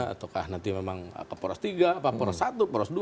ataukah nanti memang ke poros tiga ke poros satu poros dua